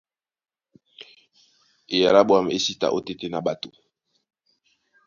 Eyala á ɓwâm é sí ta ótétena ɓato.